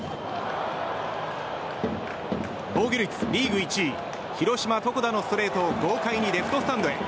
防御率リーグ１位広島、床田のストレートを豪快にレフトスタンドへ。